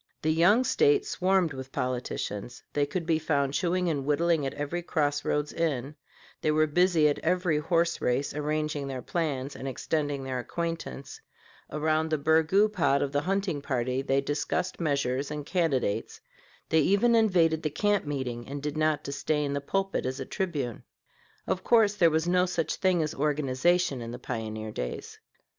The young State swarmed with politicians; they could be found chewing and whittling at every cross roads inn; they were busy at every horse race, arranging their plans and extending their acquaintance; around the burgoo pot of the hunting party they discussed measures and candidates; they even invaded the camp meeting and did not disdain the pulpit as a tribune. Of course there was no such thing as organization in the pioneer days.